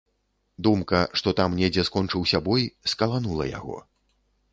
Думка, што там недзе скончыўся бой, скаланула яго.